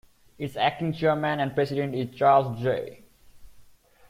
Its acting chairman and president is Charles J.